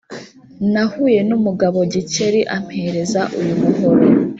Nahuye n’umugabo Gikeli ampereza uyu muhoro